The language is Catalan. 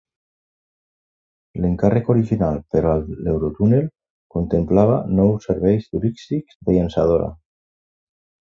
L'encàrrec original per a l'Eurotunnel contemplava nou serveis turístics de llançadora.